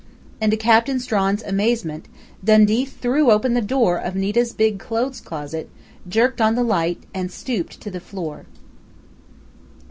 And to Captain Strawn's amazement Dundee threw open the door of Nita's big clothes closet, jerked on the light, and stooped to the floor.